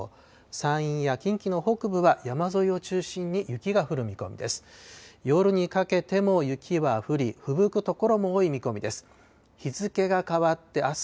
山陰や近畿の北部は山沿いを中心に雪が降る見込みです。